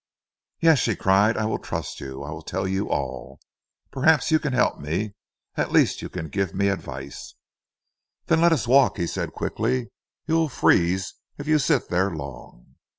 "Yes," she cried, "I will trust you, I will tell you all. Perhaps you can help me, at least you can give me advice." "Then let us walk," he said quickly. "You will freeze if you sit there long."